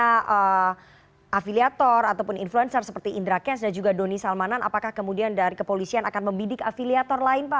ada afiliator ataupun influencer seperti indra kes dan juga doni salmanan apakah kemudian dari kepolisian akan membidik afiliator lain pak